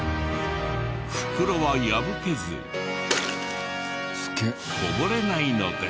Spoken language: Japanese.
袋は破けずこぼれないのです。